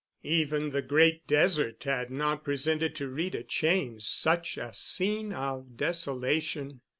Even the Great Desert had not presented to Rita Cheyne such a scene of desolation.